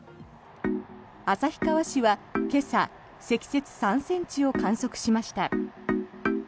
旭川市は今朝積雪３ｃｍを観測しました。